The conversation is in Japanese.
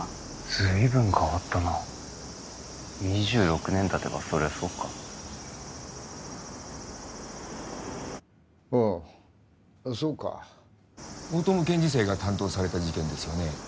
随分変わったな２６年たてばそりゃそうかああああそうか大友検事正が担当された事件ですよね？